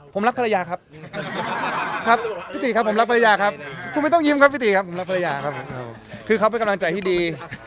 ผมรับภาระยาครับครับปิตีครับผมรับภารยาครับคุณไม่ต้องยิ้มครับปิตีครับคือเขาเป็นกำลังใจที่ดี